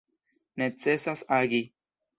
Necesas agi.